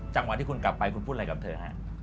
จังหวะที่คุณกลับไปคุณพูดอะไรกับเธอฮะ